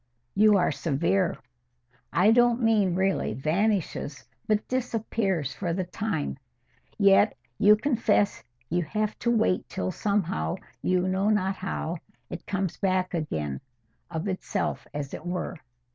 "You are severe." "I don't mean really vanishes, but disappears for the time. Yet you will confess you have to wait till, somehow, you know not how, it comes back again—of itself, as it were."